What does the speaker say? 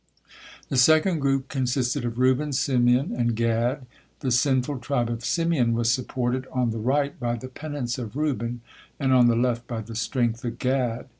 The second group consisted of Reuben, Simeon, and Gad. The sinful tribe of Simeon was supported on the right by the penance of Reuben and on the left by the strength of Gad.